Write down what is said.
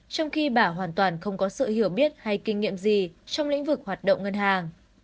trong khi bà hoàn toàn không có sự hiểu biết hay kinh nghiệm gì trong lĩnh vực hoạt động ngân hàng